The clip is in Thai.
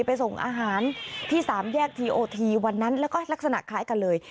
ไปส่งอาหารที่สามแยกทีโอทีวันนั้นแล้วก็ลักษณะคล้ายกันเลย